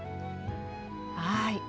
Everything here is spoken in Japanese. はい。